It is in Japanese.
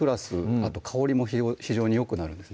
あと香りも非常によくなるんです